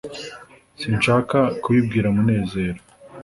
sinshaka kubibwira munezero